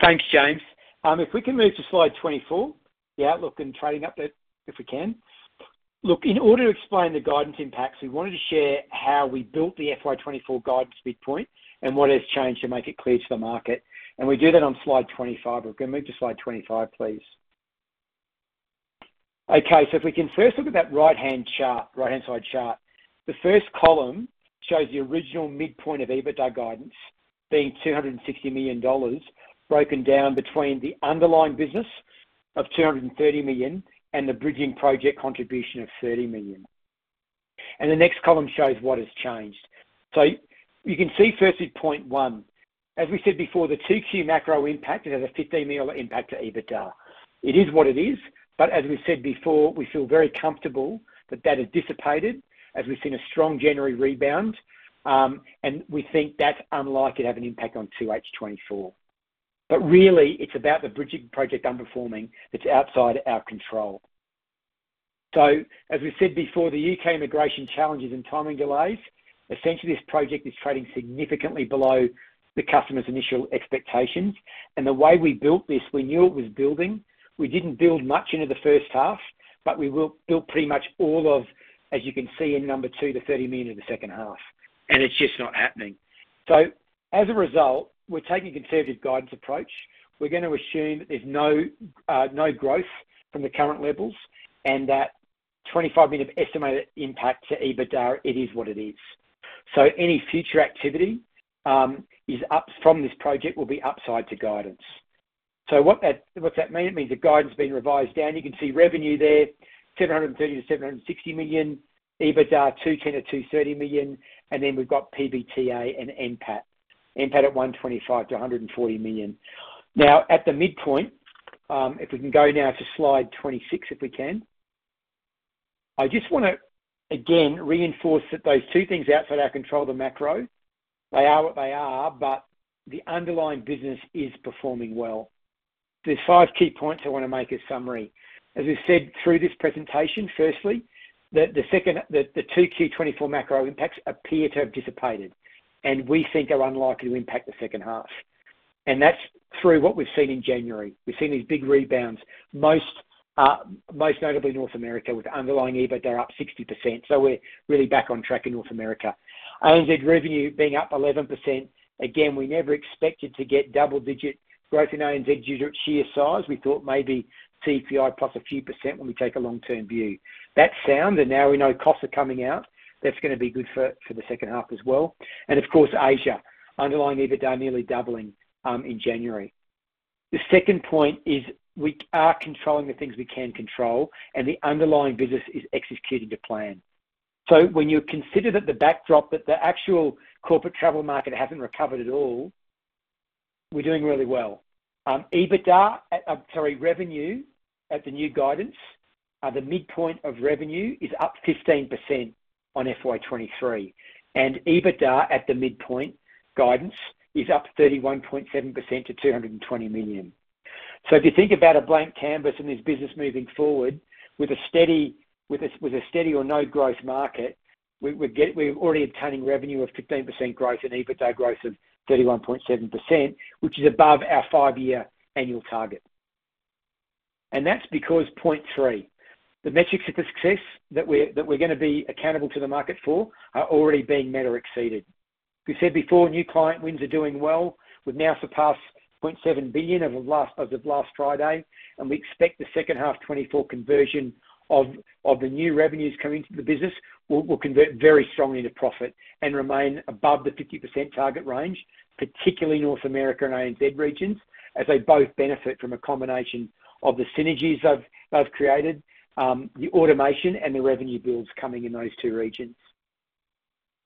S2: Thanks, James. If we can move to Slide 24, the outlook and trading update, if we can. Look, in order to explain the guidance impacts, we wanted to share how we built the FY 2024 guidance midpoint and what has changed to make it clear to the market. We do that on Slide 25. We're going to move to Slide 25, please. Okay, so if we can first look at that right-hand side chart, the first column shows the original midpoint of EBITDA guidance being 260 million dollars broken down between the underlying business of 230 million and the bridging project contribution of 30 million. The next column shows what has changed. So you can see first midpoint one. As we said before, the 2Q macro impact is a 15 million dollar impact to EBITDA. It is what it is, but as we said before, we feel very comfortable that that has dissipated as we've seen a strong January rebound, and we think that's unlikely to have impact on 2H 2024. But really, it's about the bridging project underperforming that's outside our control. So as we said before, the U.K. immigration challenges and timing delays, essentially, this project is trading significantly below the customer's initial expectations. And the way we built this, we knew it was building. We didn't build much into the first half, but we built pretty much all of, as you can see in number two, the 30 million of the second half. And it's just not happening. So as a result, we're taking a conservative guidance approach. We're going to assume that there's no growth from the current levels and that 25 million of estimated impact to EBITDA, it is what it is. So any future activity from this project will be upside to guidance. So what's that mean? It means the guidance being revised down. You can see revenue there, 730 million-760 million, EBITDA 210 million-230 million, and then we've got PBT and NPAT, NPAT at 125 million-140 million. Now, at the midpoint, if we can go now to Slide 26, if we can, I just want to, again, reinforce that those two things outside our control, the macro, they are what they are, but the underlying business is performing well. There's five key points I want to make as summary. As we said through this presentation, firstly, the 2Q24 macro impacts appear to have dissipated, and we think are unlikely to impact the second half. And that's through what we've seen in January. We've seen these big rebounds. Most notably, North America with underlying EBITDA up 60%. So we're really back on track in North America. ANZ revenue being up 11%. Again, we never expected to get double-digit growth in ANZ due to its sheer size. We thought maybe CPI plus a few percent when we take a long-term view. That's sound, and now we know costs are coming out. That's going to be good for the second half as well. And of course, Asia, underlying EBITDA nearly doubling in January. The second point is we are controlling the things we can control, and the underlying business is executing to plan. So when you consider that the backdrop, that the actual corporate travel market hasn't recovered at all, we're doing really well. EBITDA at sorry, revenue at the new guidance, the midpoint of revenue is up 15% on FY 2023, and EBITDA at the midpoint guidance is up 31.7% to 220 million. So if you think about a blank canvas and this business moving forward with a steady or no-growth market, we're already obtaining revenue of 15% growth and EBITDA growth of 31.7%, which is above our five-year annual target. And that's because point three, the metrics of the success that we're going to be accountable to the market for are already being met or exceeded. We said before, new client wins are doing well. We've now surpassed 0.7 billion as of last Friday, and we expect the second half 2024 conversion of the new revenues coming into the business will convert very strongly into profit and remain above the 50% target range, particularly North America and ANZ regions as they both benefit from a combination of the synergies they've created, the automation, and the revenue builds coming in those two regions.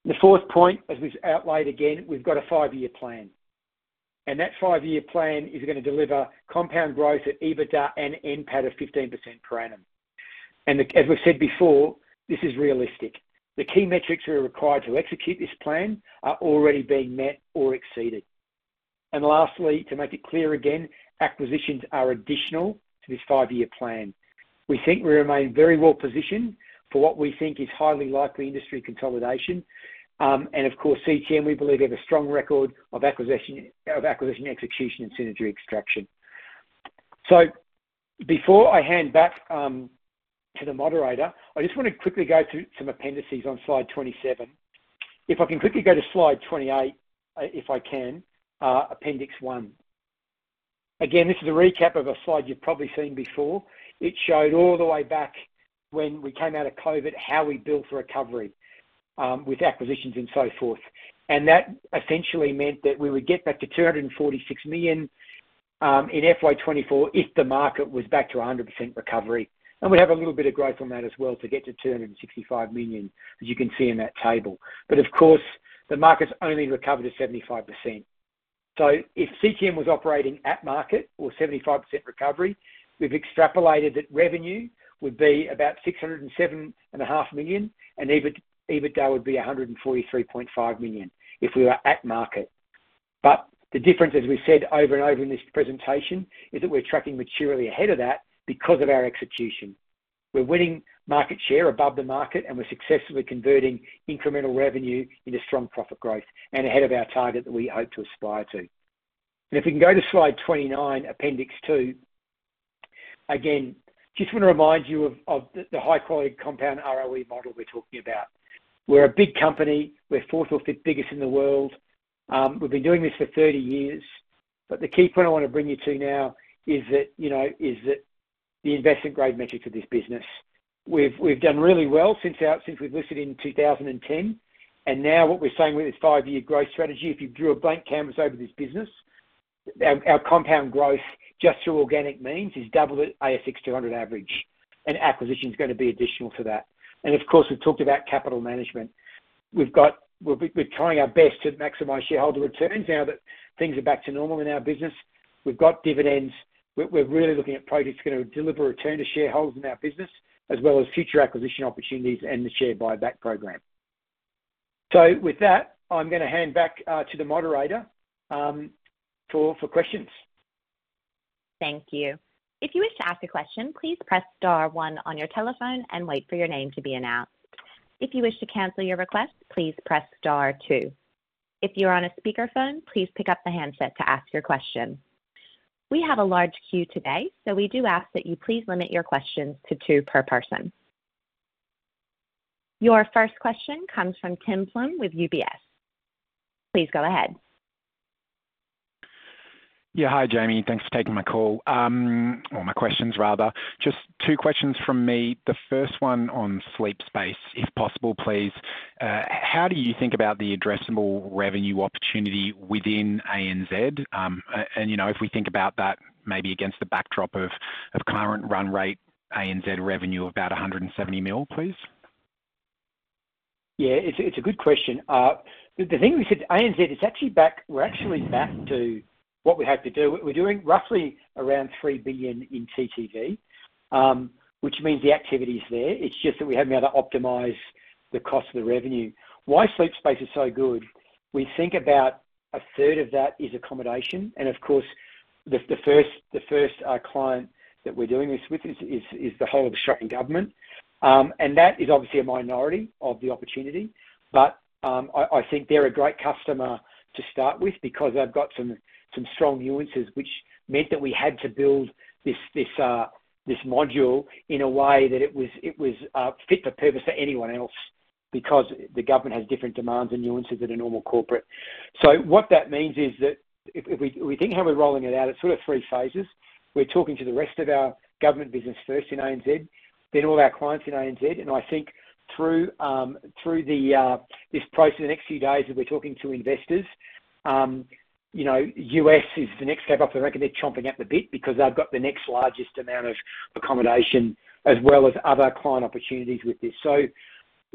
S2: The fourth point, as we've outlined again, we've got a five-year plan. That five-year plan is going to deliver compound growth at EBITDA and NPAT of 15% per annum. And as we've said before, this is realistic. The key metrics that are required to execute this plan are already being met or exceeded. And lastly, to make it clear again, acquisitions are additional to this five-year plan. We think we remain very well positioned for what we think is highly likely industry consolidation. Of course, CTM, we believe, have a strong record of acquisition execution and synergy extraction. Before I hand back to the moderator, I just want to quickly go through some appendices on Slide 27. If I can quickly go to Slide 28, if I can, appendix one. Again, this is a recap of a slide you've probably seen before. It showed all the way back when we came out of COVID how we built for recovery with acquisitions and so forth. That essentially meant that we would get back to 246 million in FY 2024 if the market was back to 100% recovery. We'd have a little bit of growth on that as well to get to 265 million, as you can see in that table. Of course, the market's only recovered to 75%. So if CTM was operating at market or 75% recovery, we've extrapolated that revenue would be about 607.5 million, and EBITDA would be 143.5 million if we were at market. But the difference, as we've said over and over in this presentation, is that we're tracking materially ahead of that because of our execution. We're winning market share above the market, and we're successfully converting incremental revenue into strong profit growth and ahead of our target that we hope to aspire to. And if we can go to Slide 29, appendix two, again, just want to remind you of the high-quality compound ROE model we're talking about. We're a big company. We're fourth or fifth biggest in the world. We've been doing this for 30 years. But the key point I want to bring you to now is the investment-grade metrics of this business. We've done really well since we've listed in 2010. And now what we're saying with this five year growth strategy, if you drew a blank canvas over this business, our compound growth just through organic means is double the ASX 200 average, and acquisition's going to be additional to that. And of course, we've talked about capital management. We're trying our best to maximize shareholder returns now that things are back to normal in our business. We've got dividends. We're really looking at projects that are going to deliver return to shareholders in our business as well as future acquisition opportunities and the share buyback program. So with that, I'm going to hand back to the moderator for questions.
S1: Thank you. If you wish to ask a question, please press star one on your telephone and wait for your name to be announced. If you wish to cancel your request, please press star two. If you're on a speakerphone, please pick up the handset to ask your question. We have a large queue today, so we do ask that you please limit your questions to two per person. Your first question comes from Tim Plumbe with UBS. Please go ahead.
S4: Yeah, hi, Jamie. Thanks for taking my call or my questions, rather. Just two questions from me. The first one on Sleep Space, if possible, please. How do you think about the addressable revenue opportunity within ANZ? And if we think about that maybe against the backdrop of current run rate ANZ revenue of about 170 million, please?
S2: Yeah, it's a good question. The thing we said, ANZ, it's actually back. We're actually back to what we have to do. We're doing roughly around 3 billion in TTV, which means the activity's there. It's just that we haven't been able to optimize the cost of the revenue. Why Sleep Space is so good, we think about a third of that is accommodation. And of course, the first client that we're doing this with is the whole of the Australian government. And that is obviously a minority of the opportunity. But I think they're a great customer to start with because they've got some strong nuances, which meant that we had to build this module in a way that it was fit for purpose for anyone else because the government has different demands and nuances than a normal corporate. So what that means is that if we think how we're rolling it out, it's sort of three phases. We're talking to the rest of our government business first in ANZ, then all our clients in ANZ. And I think through this process, the next few days, that we're talking to investors, U.S. is the next cab off the rank, and they're chomping at the bit because they've got the next largest amount of accommodation as well as other client opportunities with this. So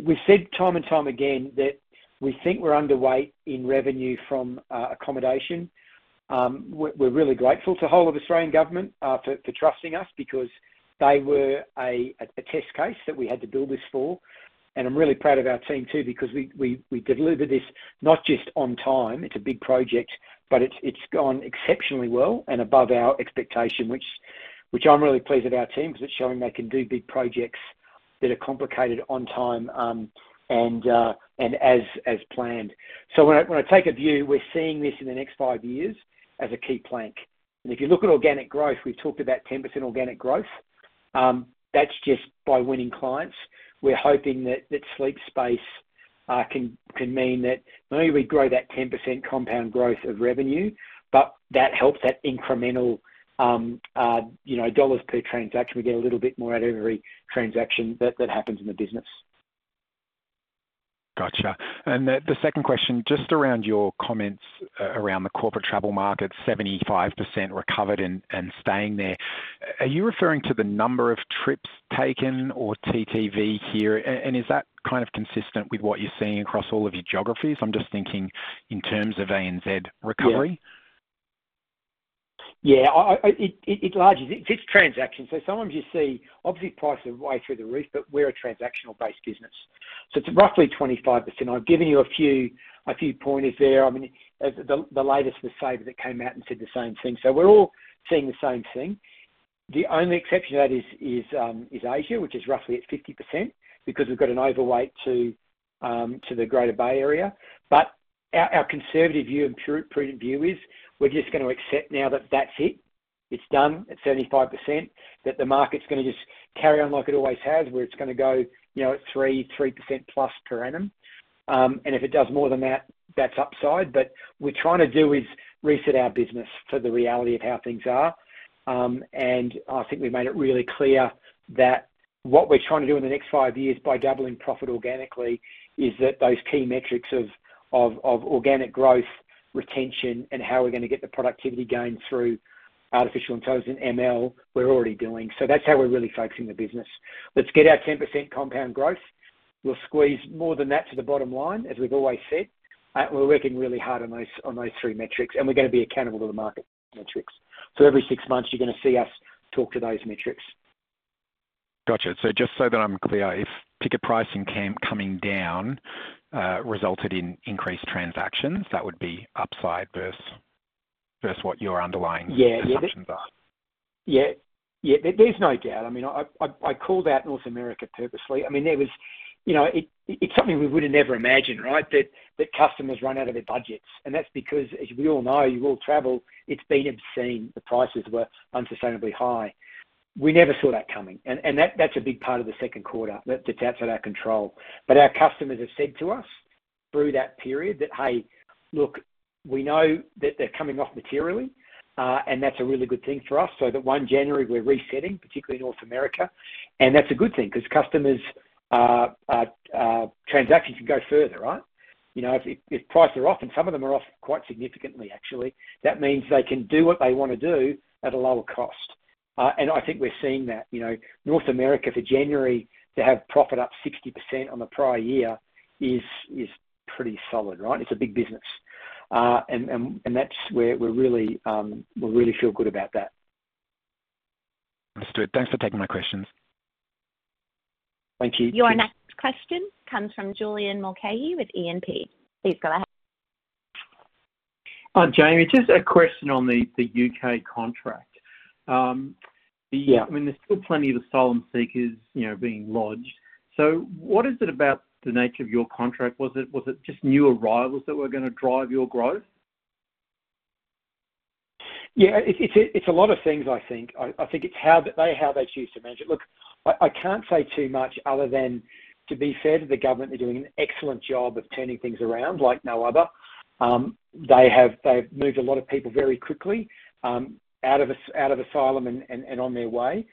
S2: we've said time and time again that we think we're underweight in revenue from accommodation. We're really grateful to the whole of the Australian government for trusting us because they were a test case that we had to build this for. And I'm really proud of our team too because we delivered this not just on time. It's a big project, but it's gone exceptionally well and above our expectation, which I'm really pleased with our team because it's showing they can do big projects that are complicated on time and as planned. So when I take a view, we're seeing this in the next five years as a key plank. And if you look at organic growth, we've talked about 10% organic growth. That's just by winning clients. We're hoping that Sleep Space can mean that maybe we grow that 10% compound growth of revenue, but that helps that incremental dollars per transaction. We get a little bit more out of every transaction that happens in the business.
S4: Gotcha. And the second question, just around your comments around the corporate travel market, 75% recovered and staying there, are you referring to the number of trips taken or TTV here? And is that kind of consistent with what you're seeing across all of your geographies? I'm just thinking in terms of ANZ recovery.
S2: Yeah. Yeah, it largely it's transactions. So sometimes you see obviously, price is a way through the roof, but we're a transactional-based business. So it's roughly 25%. I've given you a few pointers there. I mean, the latest was Sabre that came out and said the same thing. So we're all seeing the same thing. The only exception to that is Asia, which is roughly at 50% because we've got an overweight to the Greater Bay Area. But our conservative view and prudent view is we're just going to accept now that that's it. It's done. It's 75%. That the market's going to just carry on like it always has, where it's going to go at 3%-3% plus per annum. And if it does more than that, that's upside. What we're trying to do is reset our business for the reality of how things are. I think we've made it really clear that what we're trying to do in the next five years by doubling profit organically is that those key metrics of organic growth, retention, and how we're going to get the productivity gain through artificial intelligence and ML, we're already doing. That's how we're really focusing the business. Let's get our 10% compound growth. We'll squeeze more than that to the bottom line, as we've always said. We're working really hard on those three metrics, and we're going to be accountable to the market metrics. Every six months, you're going to see us talk to those metrics.
S4: Gotcha. So just so that I'm clear, if ticket pricing coming down resulted in increased transactions, that would be upside versus what your underlying assumptions are?
S2: Yeah. Yeah. Yeah. There's no doubt. I mean, I called out North America purposely. I mean, there. It's something we would have never imagined, right, that customers run out of their budgets. And that's because, as we all know, you all travel, it's been obscene. The prices were unsustainably high. We never saw that coming. And that's a big part of the second quarter that's outside our control. But our customers have said to us through that period that, "Hey, look, we know that they're coming off materially, and that's a really good thing for us." So that 1 January, we're resetting, particularly in North America. And that's a good thing because customers' transactions can go further, right? If prices are off, and some of them are off quite significantly, actually, that means they can do what they want to do at a lower cost. I think we're seeing that. North America, for January, to have profit up 60% on the prior year is pretty solid, right? It's a big business. That's where we really feel good about that.
S4: Understood. Thanks for taking my questions.
S2: Thank you.
S1: Your next question comes from Julian Mulcahy with E&P. Please go ahead.
S5: Jamie, just a question on the U.K. contract. I mean, there's still plenty of asylum seekers being lodged. So what is it about the nature of your contract? Was it just new arrivals that were going to drive your growth?
S2: Yeah, it's a lot of things, I think. I think it's how they choose to manage it. Look, I can't say too much other than, to be fair to the government, they're doing an excellent job of turning things around like no other. They have moved a lot of people very quickly out of asylum and on their way.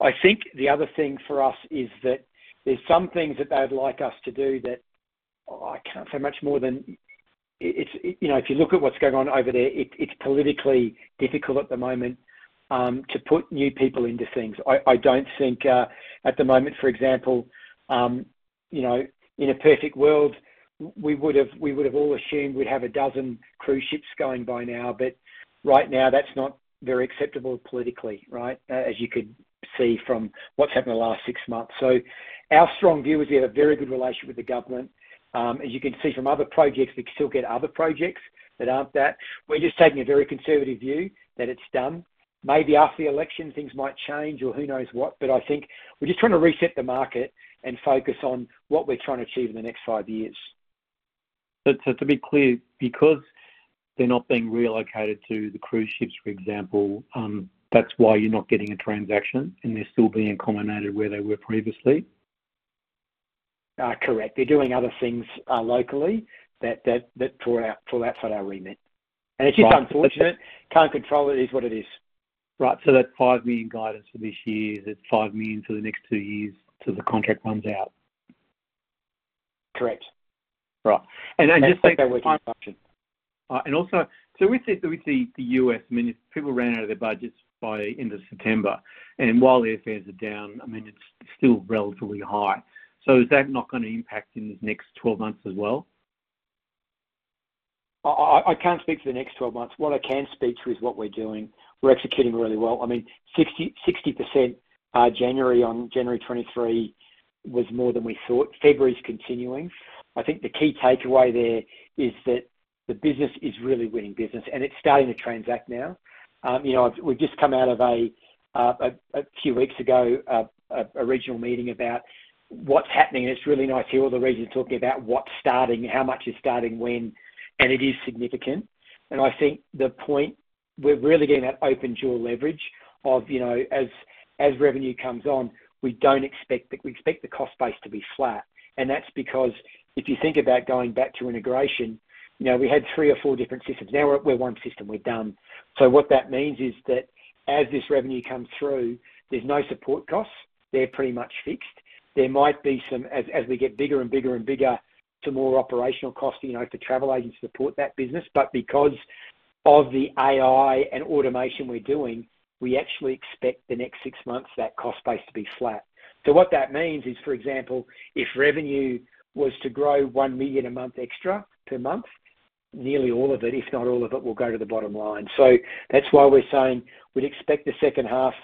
S2: I think the other thing for us is that there's some things that they'd like us to do that I can't say much more than if you look at what's going on over there, it's politically difficult at the moment to put new people into things. I don't think at the moment, for example, in a perfect world, we would have all assumed we'd have a dozen cruise ships going by now. But right now, that's not very acceptable politically, right, as you could see from what's happened the last six months. So our strong view is we have a very good relationship with the government. As you can see from other projects, we still get other projects that aren't that. We're just taking a very conservative view that it's done. Maybe after the election, things might change or who knows what. But I think we're just trying to reset the market and focus on what we're trying to achieve in the next five years.
S5: To be clear, because they're not being relocated to the cruise ships, for example, that's why you're not getting a transaction, and they're still being accommodated where they were previously?
S2: Correct. They're doing other things locally that fall outside our remit. It's just unfortunate. Can't control it. It is what it is.
S5: Right. So that 5 million guidance for this year, it's 5 million for the next two years till the contract runs out?
S2: Correct.
S5: Right. Just think.
S2: I think that works in function.
S5: Also, so with the U.S., I mean, people ran out of their budgets by end of September. While airfares are down, I mean, it's still relatively high. So is that not going to impact in the next 12 months as well?
S2: I can't speak for the next 12 months. What I can speak to is what we're doing. We're executing really well. I mean, 60% January on January 23 was more than we thought. February's continuing. I think the key takeaway there is that the business is really winning business, and it's starting to transact now. We've just come out of a few weeks ago original meeting about what's happening. It's really nice to hear all the regions talking about what's starting, how much is starting, when, and it is significant. I think the point we're really getting is that operational leverage as revenue comes on; we don't expect that. We expect the cost base to be flat. That's because if you think about going back to integration, we had three or four different systems. Now we're one system. We're done. So what that means is that as this revenue comes through, there's no support costs. They're pretty much fixed. There might be some as we get bigger and bigger and bigger, some more operational costs for travel agents to support that business. But because of the AI and automation we're doing, we actually expect the next six months that cost base to be flat. So what that means is, for example, if revenue was to grow 1 million a month extra per month, nearly all of it, if not all of it, will go to the bottom line. So that's why we're saying we'd expect the second half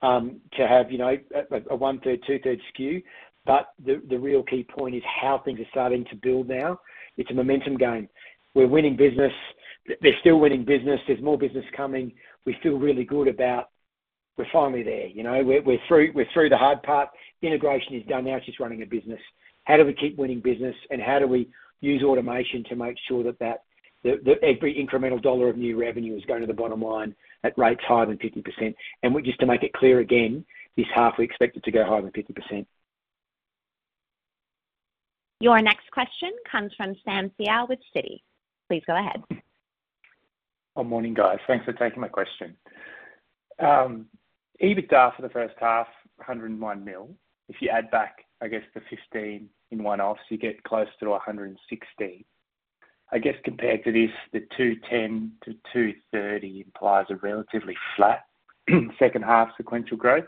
S2: to have a 1/3, 2/3 skew. But the real key point is how things are starting to build now. It's a momentum gain. We're winning business. They're still winning business. There's more business coming. We feel really good about we're finally there. We're through the hard part. Integration is done. Now it's just running a business. How do we keep winning business, and how do we use automation to make sure that every incremental dollar of new revenue is going to the bottom line at rates higher than 50%? Just to make it clear again, this half, we expect it to go higher than 50%.
S1: Your next question comes from Sam Searle with Citi. Please go ahead.
S6: Good morning, guys. Thanks for taking my question. EBITDA for the first half, 101 million. If you add back, I guess, the 15 million in one-offs, you get close to 160 million. I guess compared to this, the 210 million-230 million implies a relatively flat second-half sequential growth.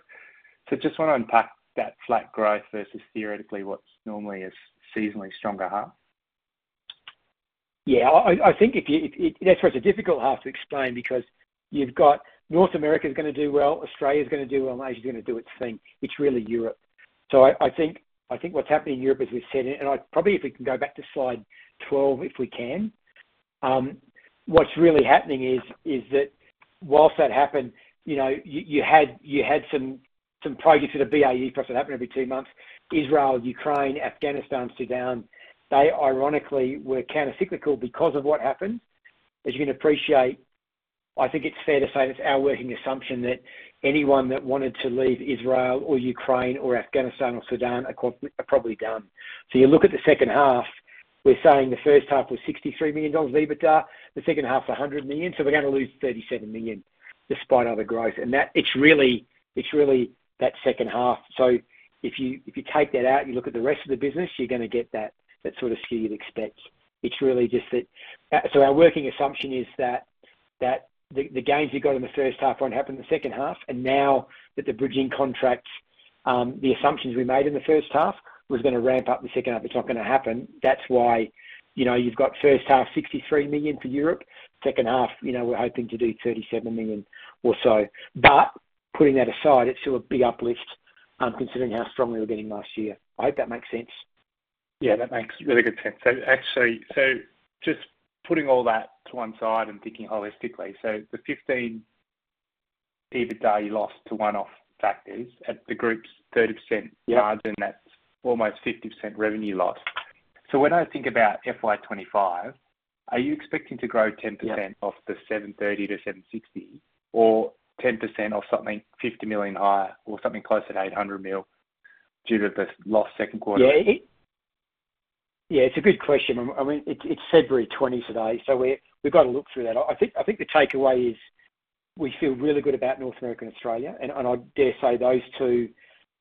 S6: So just want to unpack that flat growth versus theoretically what's normally a seasonally stronger half.
S2: Yeah. I think that's where it's a difficult half to explain because you've got North America is going to do well. Australia's going to do well. Asia's going to do its thing. It's really Europe. So I think what's happening in Europe as we've said it and probably if we can go back to Slide 12, if we can, what's really happening is that while that happened, you had some projects at a BAU process that happened every two months. Israel, Ukraine, Afghanistan, Sudan, they ironically were countercyclical because of what happened. As you can appreciate, I think it's fair to say that's our working assumption that anyone that wanted to leave Israel or Ukraine or Afghanistan or Sudan are probably done. So you look at the second half, we're saying the first half was 63 million dollars EBITDA, the second half, 100 million. We're going to lose 37 million despite other growth. It's really that second half. If you take that out, you look at the rest of the business, you're going to get that sort of skew you'd expect. It's really just that. So our working assumption is that the gains you got in the first half won't happen in the second half. Now that the bridging contracts, the assumptions we made in the first half was going to ramp up the second half. It's not going to happen. That's why you've got first half, 63 million for Europe. Second half, we're hoping to do 37 million or so. Putting that aside, it's still a big uplift considering how strongly we're getting last year. I hope that makes sense.
S6: Yeah, that makes really good sense. So just putting all that to one side and thinking holistically, so the 15 million EBITDA you lost to one-off factors at the group's 30% margin, that's almost 50% revenue loss. So when I think about FY 2025, are you expecting to grow 10% off the 730 million-760 million or 10% off something 50 million higher or something close at 800 million due to the lost second quarter?
S2: Yeah. Yeah, it's a good question. I mean, it's February 20 today. So we've got to look through that. I think the takeaway is we feel really good about North America and Australia. And I dare say those two,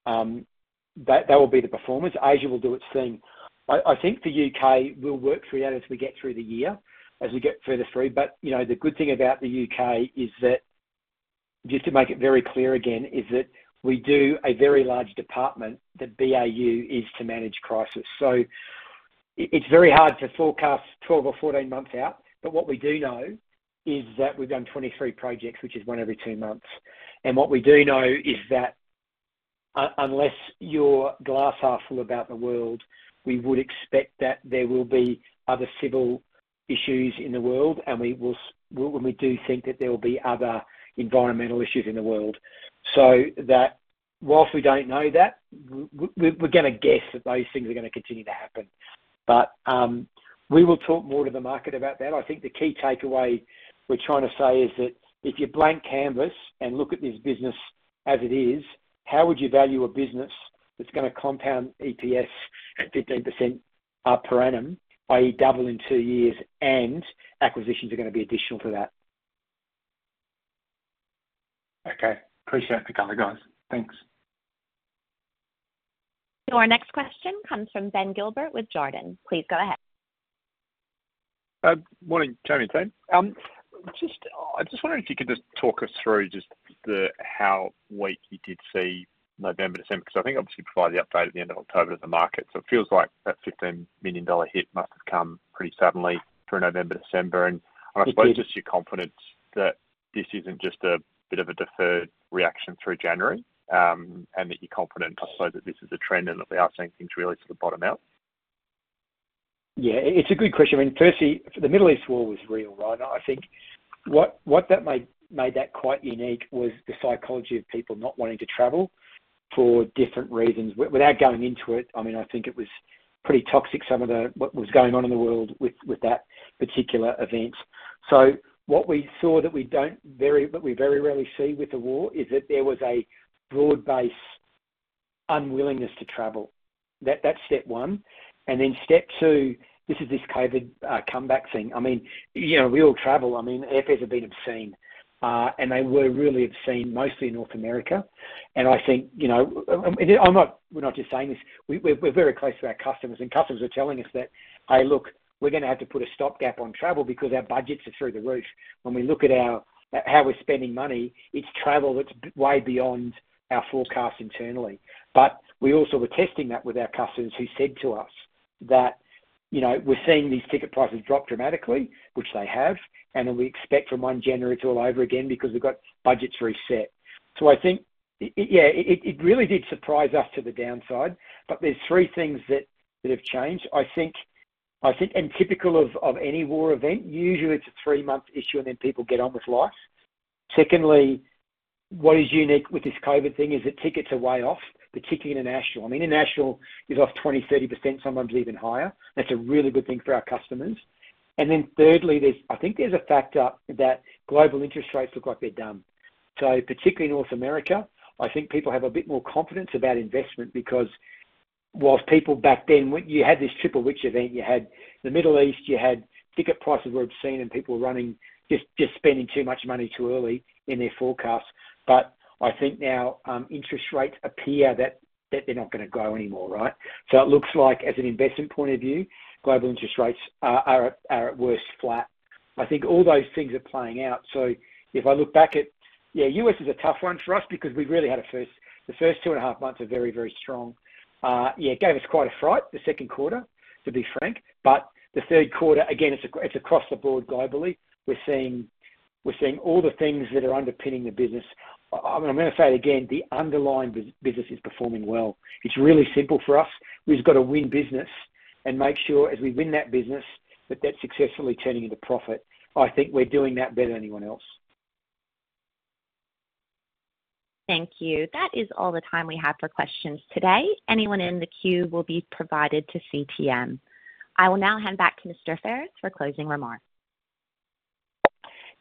S2: they will be the performers. Asia will do its thing. I think the U.K. will work through that as we get through the year, as we get further through. But the good thing about the U.K. is that just to make it very clear again, is that we do a very large department that BAU is to manage crisis. So it's very hard to forecast 12 or 14 months out. But what we do know is that we've done 23 projects, which is one every two months. What we do know is that unless the glass is half full about the world, we would expect that there will be other civil issues in the world. We do think that there will be other environmental issues in the world. While we don't know that, we're going to guess that those things are going to continue to happen. But we will talk more to the market about that. I think the key takeaway we're trying to say is that if you blank canvas and look at this business as it is, how would you value a business that's going to compound EPS at 15% per annum, i.e., double in two years, and acquisitions are going to be additional to that?
S6: Okay. Appreciate the color, guys. Thanks.
S1: Your next question comes from Ben Gilbert with Jarden. Please go ahead.
S7: Morning, Jamie and James. I just wondered if you could just talk us through just how weak you did see November, December because I think obviously you provided the update at the end of October to the market. So it feels like that 15 million dollar hit must have come pretty suddenly through November, December. And I suppose just your confidence that this isn't just a bit of a deferred reaction through January and that you're confident, I suppose, that this is a trend and that we are seeing things really sort of bottom out?
S2: Yeah, it's a good question. I mean, firstly, the Middle East war was real, right? I think what made that quite unique was the psychology of people not wanting to travel for different reasons. Without going into it, I mean, I think it was pretty toxic, some of what was going on in the world with that particular event. So what we saw that we very rarely see with the war is that there was a broad-based unwillingness to travel. That's step one. And then step two, this is this COVID comeback thing. I mean, we all travel. I mean, airfares have been obscene. And they were really obscene mostly in North America. And I think we're not just saying this. We're very close to our customers. Customers are telling us that, "Hey, look, we're going to have to put a stopgap on travel because our budgets are through the roof." When we look at how we're spending money, it's travel that's way beyond our forecast internally. But we also were testing that with our customers who said to us that we're seeing these ticket prices drop dramatically, which they have. And then we expect from January 1 it's all over again because we've got budgets reset. So I think, yeah, it really did surprise us to the downside. But there's three things that have changed. I think, and typical of any war event, usually it's a three-month issue, and then people get on with life. Secondly, what is unique with this COVID thing is that tickets are way off, particularly international. I mean, in ANZ, it'll off 20%-30%, sometimes even higher. That's a really good thing for our customers. And then thirdly, I think there's a factor that global interest rates look like they're done. So particularly in North America, I think people have a bit more confidence about investment because whilst people back then, you had this triple witch event. You had the Middle East. You had ticket prices were obscene, and people were running just spending too much money too early in their forecasts. But I think now interest rates appear that they're not going to go anymore, right? So it looks like, as an investment point of view, global interest rates are at worst flat. I think all those things are playing out. So if I look back at yeah, U.S. is a tough one for us because we've really had the first two and a half months are very, very strong. Yeah, it gave us quite a fright, the second quarter, to be frank. But the third quarter, again, it's across the board globally. We're seeing all the things that are underpinning the business. I'm going to say it again. The underlying business is performing well. It's really simple for us. We've got to win business and make sure, as we win that business, that that's successfully turning into profit. I think we're doing that better than anyone else.
S1: Thank you. That is all the time we have for questions today. Anyone in the queue will be provided to CTM. I will now hand back to Mr. Pherous for closing remarks.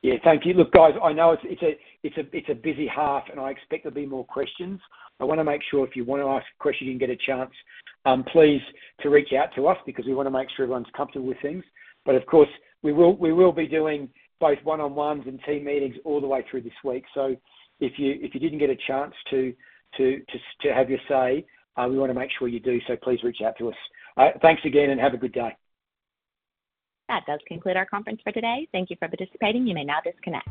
S2: Yeah, thank you. Look, guys, I know it's a busy half, and I expect there'll be more questions. I want to make sure if you want to ask a question, you can get a chance, please, to rea ch out to us because we want to make sure everyone's comfortable with things. But of course, we will be doing both one-on-ones and team meetings all the way through this week. So if you didn't get a chance to have your say, we want to make sure you do. So please reach out to us. Thanks again, and have a good day.
S1: That does conclude our conference for today. Thank you for participating. You may now disconnect.